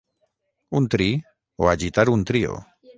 Un tri, o agitar un trio.